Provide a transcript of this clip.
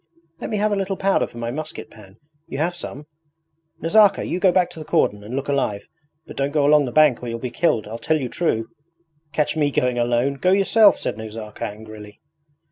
Let me have a little powder for my musket pan you have some? Nazarka, you go back to the cordon and look alive; but don't go along the bank or you'll be killed I tell you true.' 'Catch me going alone! Go yourself!' said Nazarka angrily.